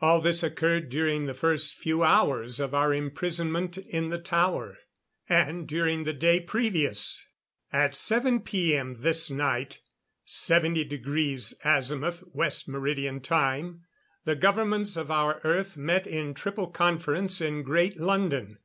All this occurred during the first few hours of our imprisonment in the tower. And during the day previous, at 7 P.M. this night 70° West Meridian Time the governments of our Earth met in Triple Conference in Great London.